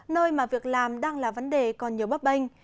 nơi mà việc làm đang là vấn đề còn nhiều bấp bênh